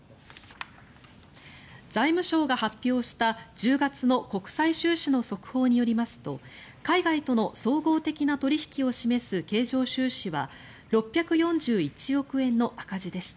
財務省が発表した１０月の国際収支の速報によりますと海外との総合的な取引を示す経常収支は６４１億円の赤字でした。